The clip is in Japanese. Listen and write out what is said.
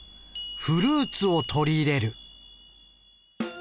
「フルーツを取り入れる」。